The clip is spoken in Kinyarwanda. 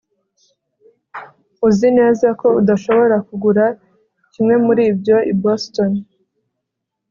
uzi neza ko udashobora kugura kimwe muri ibyo i boston